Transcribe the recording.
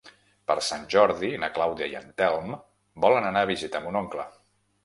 Per Sant Jordi na Clàudia i en Telm volen anar a visitar mon oncle.